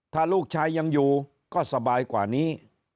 ถ้าลูกชายยังอยู่ก็สบายกว่านี้